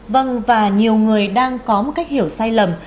vâng và nhiều người đang có một cách hiểu sai lầm